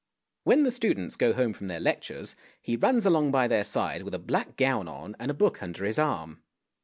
When the students go home from their lectures, he runs along by their side with a black gown on and a book under his arm.